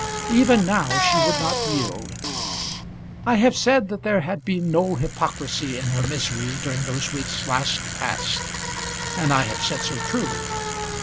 Even now she would not yield. I have said that there had been no hypocrisy in her misery during those weeks last past; and I have said so truly.